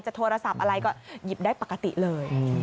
โทรศัพท์อะไรก็หยิบได้ปกติเลย